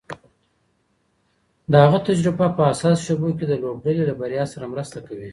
د هغه تجربه په حساسو شېبو کې د لوبډلې له بریا سره مرسته کوي.